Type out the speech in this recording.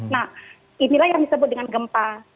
nah inilah yang disebut dengan gempa